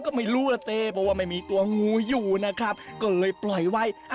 ก็ไม่รู้ล่ะเต้เพราะว่าไม่มีตัวงูอยู่นะครับก็เลยปล่อยไว้